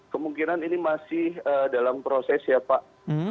kemungkinan ini masih dalam proses ya pak